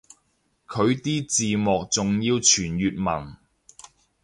佢啲字幕仲要全粵文